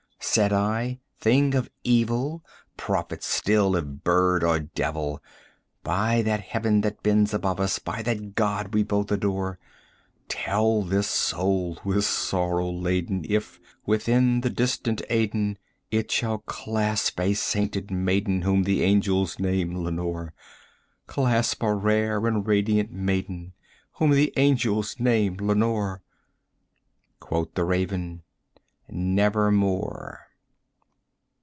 said I, "thing of evil prophet still, if bird or devil! By that Heaven that bends above us, by that God we both adore, Tell this soul with sorrow laden if, within the distant Aidenn, It shall clasp a sainted maiden whom the angels name Lenore: Clasp a rare and radiant maiden whom the angels name Lenore." 95 Quoth the Raven, "Nevermore."